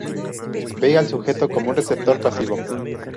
Ve al sujeto como un receptor pasivo.